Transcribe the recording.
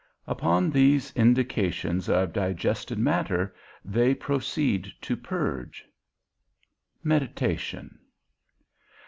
Upon these indications of digested matter, they proceed to purge. XX. MEDITATION.